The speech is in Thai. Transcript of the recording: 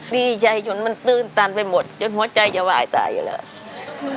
ดีใจจนมันตื้นตันไปหมดจนหัวใจจะวายตายอยู่แล้ว